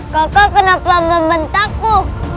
kakak kenapa membentakku